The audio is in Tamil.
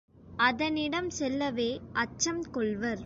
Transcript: அதனிடம் செல்லவே அச்சம் கொள்வர்.